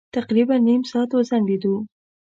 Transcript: تقريباً نيم ساعت وځنډېدو.